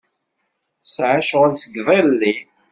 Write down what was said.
Tesɛa ccɣel seg iḍelli.